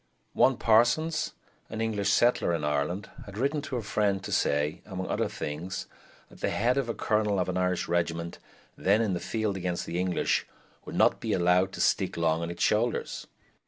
One Parsons, an English settler in Ireland, had written to a friend to say, among other things, that the head of a colonel of an Irish regiment then in the field against the English would not be allowed to stick long on its shoulders.